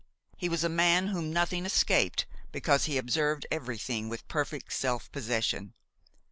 He was a man whom nothing escaped because he observed everything with perfect self possession.